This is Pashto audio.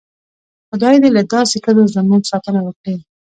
خدای دې له داسې ښځو زموږ ساتنه وکړي.